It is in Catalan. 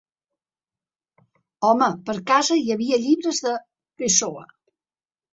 Home, per casa hi havia llibres de Pessoa.